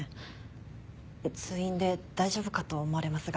通院で大丈夫かと思われますが。